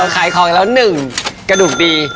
ขายของแล้วหนึ่งกระดูกดี